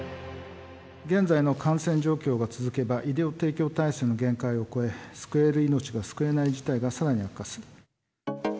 現在の感染状況が続けば、医療提供体制の限界を超え、救える命が救えない事態がさらに悪化する。